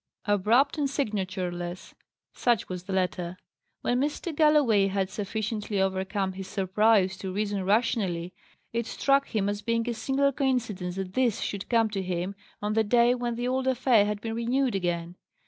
Abrupt and signatureless, such was the letter. When Mr. Galloway had sufficiently overcome his surprise to reason rationally, it struck him as being a singular coincidence that this should come to him on the day when the old affair had been renewed again.